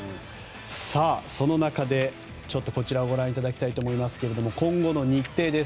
その中でこちらをご覧いただきたいと思いますが今後の日程です。